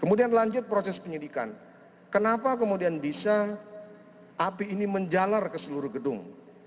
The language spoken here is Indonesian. kemudian lanjut proses penyidikan kenapa kemudian bisa api ini menjalar ke seluruh gedung